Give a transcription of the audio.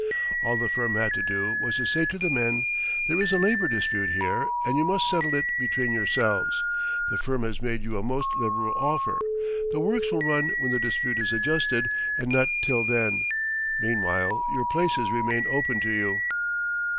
All the firm had to do was to say to the men: "There is a labor dispute here and you must settle it between yourselves. The firm has made you a most liberal offer. The works will run when the dispute is adjusted, and not till then. Meanwhile your places remain open to you."